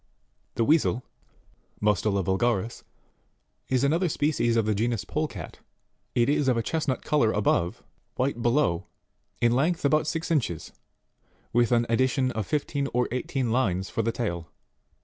21. The Weasel MrtslelaVulyaris, is another species of the genus Polecat ; it is of a chestnut colour above, white below, in length about six inches, with an addition of fifteen or eighteen lines ior the tail.